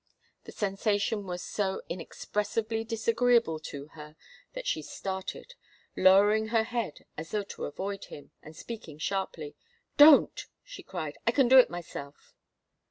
The sensation was so inexpressibly disagreeable to her that she started, lowering her head as though to avoid him, and speaking sharply. "Don't!" she cried. "I can do it myself."